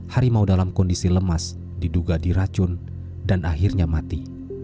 harimau dalam kondisi lemas diduga diracun dan akhirnya mati